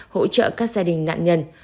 hỗ trợ các gia đình nạn nhân